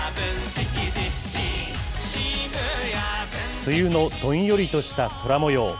梅雨のどんよりとした空もよう。